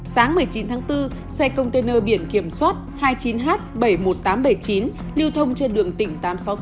sáng một mươi chín tháng bốn xe container biển kiểm soát hai mươi chín h bảy mươi một nghìn tám trăm bảy mươi chín lưu thông trên đường tỉnh tám trăm sáu mươi tám